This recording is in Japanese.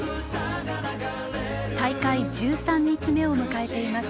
大会１３日目を迎えています